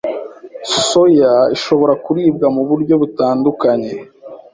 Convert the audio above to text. Soya ishobora kuribwa mu buryo butandukanye,